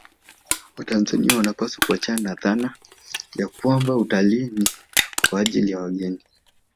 Watanzania wanapaswa kuachana na dhana ya kwamba utalii ni kwa ajili ya wageni